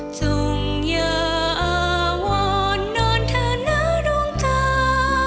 จงยาอาวรนอนเธอหน้าดวงตา